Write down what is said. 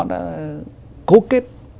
đã cố kết